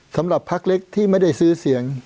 สำหรับพักเล็กที่ไม่ได้ซื้อเสียง